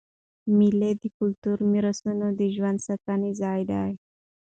مېله د کلتوري میراثونو د ژوندي ساتلو ځای دئ.